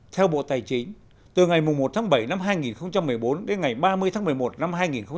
theo bộ tài chính từ ngày một tháng bảy năm hai nghìn một mươi bốn đến ngày ba mươi tháng một mươi một năm hai nghìn một mươi chín